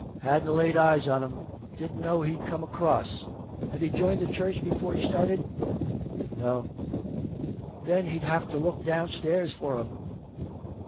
Hadn't laid eyes on him. Didn't know he'd come across. Had he joined the church before he started? "No." Then he'd have to look downstairs for him.